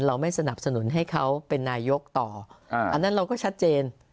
เราไม่สนับสนุนให้เขาเป็นนายกต่ออันนั้นเราก็ชัดเจน